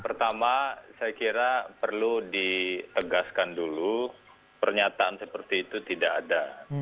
pertama saya kira perlu ditegaskan dulu pernyataan seperti itu tidak ada